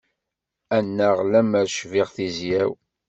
Annaɣ lemmer cbiɣ tizya-w.